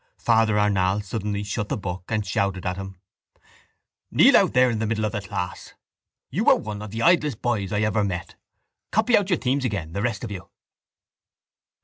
Father Arnall suddenly shut the book and shouted at him: —Kneel out there in the middle of the class. You are one of the idlest boys I ever met. Copy out your themes again the rest of you.